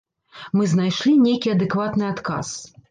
Мы знайшлі нейкі адэкватны адказ.